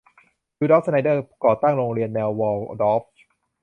รูดอล์ฟ สไตนเนอร์ ก่อตั้งโรงเรียนแนววอลดอร์ฟ